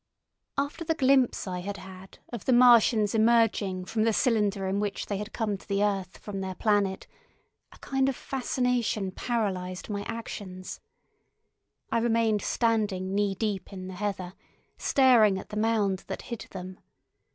After the glimpse I had had of the Martians emerging from the cylinder in which they had come to the earth from their planet, a kind of fascination paralysed my actions. I remained standing knee deep in the heather, staring at the mound that hid them.